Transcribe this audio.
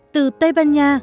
từ tây ban nha